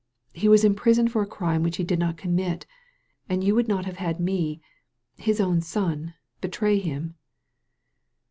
" He was imprisoned for a crime which he did not commit, and you would not have had me — his own son betray him."